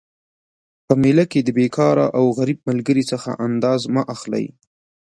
په میله کي د بیکاره او غریب ملګري څخه انداز مه اخلئ